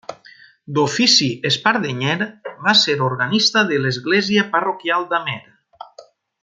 D'ofici espardenyer, va ser organista de l'església parroquial d'Amer.